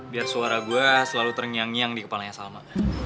biar suara gue selalu terngiang ngiang di kepalanya salma